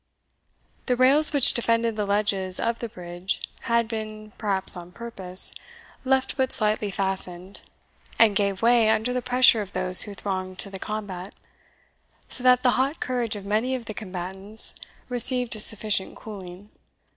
The rails which defended the ledges of the bridge had been, perhaps on purpose, left but slightly fastened, and gave way under the pressure of those who thronged to the combat, so that the hot courage of many of the combatants received a sufficient cooling.